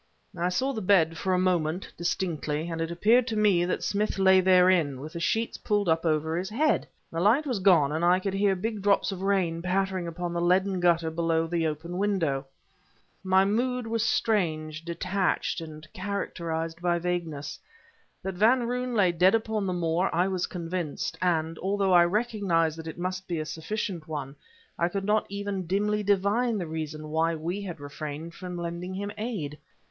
I saw the bed for a moment, distinctly, and it appeared to me that Smith lay therein, with the sheets pulled up over his head. The light was gone, and I could hear big drops of rain pattering upon the leaden gutter below the open window. My mood was strange, detached, and characterized by vagueness. That Van Roon lay dead upon the moor I was convinced; and although I recognized that it must be a sufficient one I could not even dimly divine the reason why we had refrained from lending him aid.